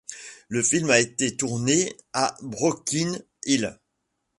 Le film a été tourné à Broken Hill.